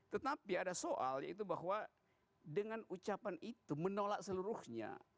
tetapi ada soal yaitu bahwa dengan ucapan itu menolak seluruhnya